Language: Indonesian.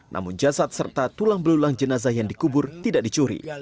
namun jasad serta tulang belulang jenazah yang dikubur tidak dicuri